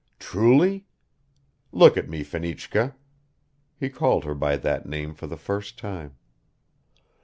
"Truly? Look at me, Fenichka." (He called her by that name for the first time.)